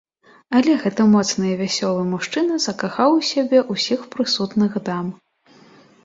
Але гэты моцны і вясёлы мужчына закахаў у сябе ўсіх прысутных дам.